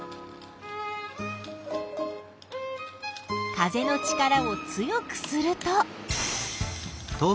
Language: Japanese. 風の力を強くすると。